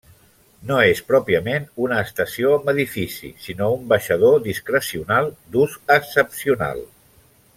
No és pròpiament una estació amb edifici, sinó un baixador discrecional d'ús excepcional.